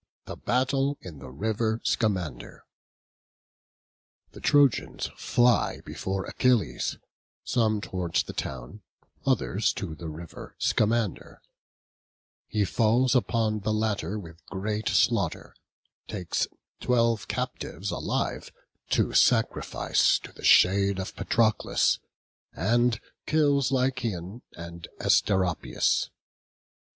THE BATTLE IN THE RIVER SCAMANDER. The Trojans fly before Achilles, some towards the town, others to the river Scamander; he falls upon the latter with great slaughter, takes twelve captives alive, to sacrifice to the shade of Patroclus; and kills Lycaon and Asteropaeus.